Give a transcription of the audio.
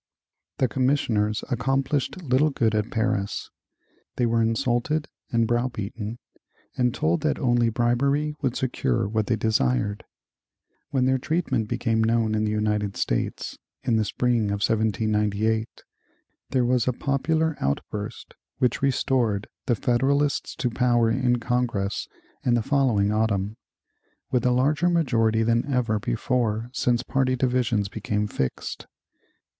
The commissioners accomplished little good at Paris. They were insulted and browbeaten and told that only bribery would secure what they desired. When their treatment became known in the United States, in the spring of 1798, there was a popular outburst which restored the Federalists to power in Congress in the following autumn, with a larger majority than ever before since party divisions became fixed.